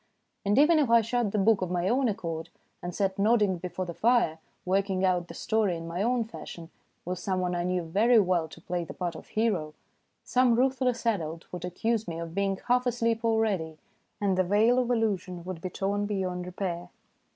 And even if I shut the book of my own accord, and sat nodding before the fire, working out the story in my own fashion with some one I knew very well to play the part of hero, some ruthless adult would accuse me of being " half asleep already," and the veil of illusion would be torn beyond repair.